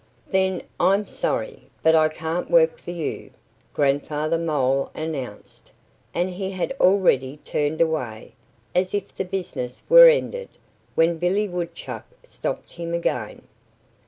"Then I'm sorry; but I can't work for you," Grandfather Mole announced. And he had already turned away, as if the business were ended, when Billy Woodchuck stopped him again.